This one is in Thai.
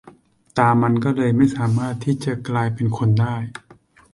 ตามันก็เลยไม่สามารถที่จะกลายเป็นคนได้